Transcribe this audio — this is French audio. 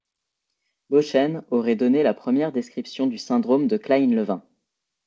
Beauchêne aurait donné la première description du Syndrome de Kleine-Levin.